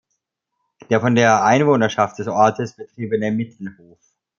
Der von der Einwohnerschaft des Ortes betriebene "Mittelhof".